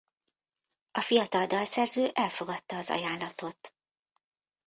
A fiatal dalszerző elfogadta az ajánlatot.